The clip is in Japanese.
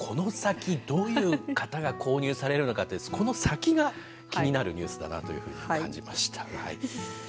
この先どういう方が購入されるのかこの先が気になるニュースだなと感じました。